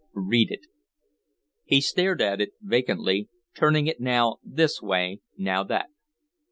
"Read it." He stared at it vacantly, turning it now this way, now that.